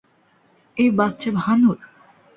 এই বাচ্চা ভানুর?